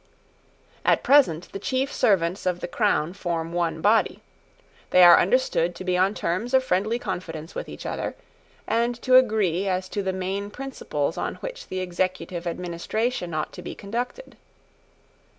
At present the chief servants of the crown form one body. They are understood to be on terms of friendly confidence with each other, and to agree as to the main principles on which the executive administration ought to be conducted.